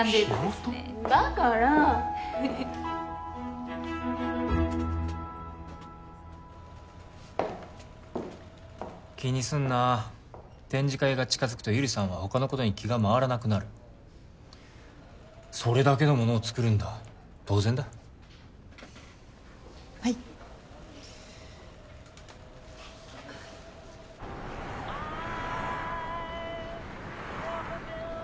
だから気にすんな展示会が近づくと百合さんは他のことに気が回らなくなるそれだけの物を作るんだ当然だはいあっ！